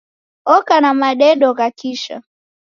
Oka na madedo gha kisha.